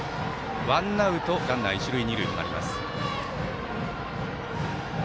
ワンアウト、ランナー一塁二塁となります。